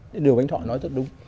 điều anh thọ nói rất đúng